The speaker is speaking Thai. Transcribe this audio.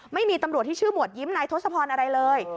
ไม่มีตำรวจที่ชื่อหมวดยิ้มนายทศพรอะไรเลย